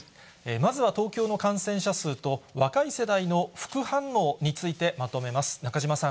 まずは東京の感染者数と、若い世代の副反応についてまとめます。